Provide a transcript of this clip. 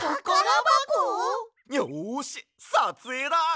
よしさつえいだ！